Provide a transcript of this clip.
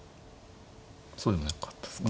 そうでもなかったですか？